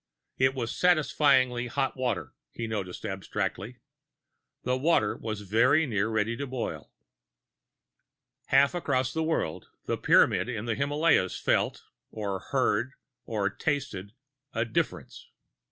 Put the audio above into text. It was a satisfyingly hot fire, he noticed abstractedly. The water was very nearly ready to boil. Half across the world, the Pyramid in the Himalays felt, or heard, or tasted a difference.